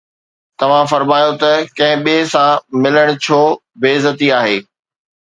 توهان فرمايو ته ڪنهن ٻئي سان ملڻ ڇو بي عزتي آهي؟